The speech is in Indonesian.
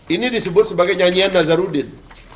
ini disebut sebagai nyanyian nazarudin